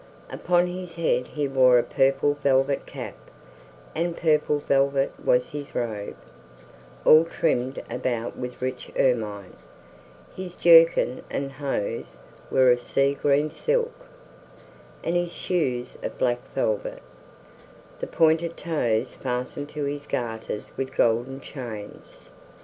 Upon his head he wore a purple velvet cap, and purple velvet was his robe, all trimmed about with rich ermine; his jerkin and hose were of sea green silk, and his shoes of black velvet, the pointed toes fastened to his garters with golden chains.